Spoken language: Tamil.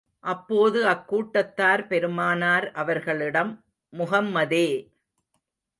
அப்போது அக்கூட்டத்தார், பெருமானார் அவர்களிடம், முஹம்மதே!